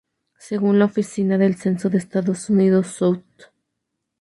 Según la Oficina del Censo de los Estados Unidos, South St.